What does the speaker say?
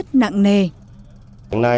trong thời gian này